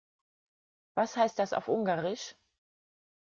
Was heißt das auf Ungarisch?